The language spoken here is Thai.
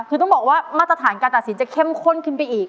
คือต้องบอกว่ามาตรฐานการตัดสินจะเข้มข้นขึ้นไปอีก